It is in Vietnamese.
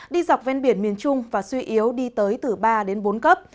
đi dọc ven biển miền trung và suy yếu đi tới từ ba đến bốn cấp